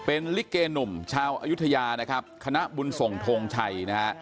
เป็นลิเกหนุ่มชาวอยุธยานะครับคณะบุญส่งทงชัยนะฮะ